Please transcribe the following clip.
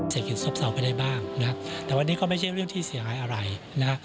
เศรษฐกิจซบเซาไปได้บ้างนะแต่วันนี้ก็ไม่ใช่เรื่องที่เสียหายอะไรนะ